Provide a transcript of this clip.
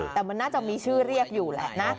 แต่มันน่าจะมีชื่อเรียกอยู่แหละนะ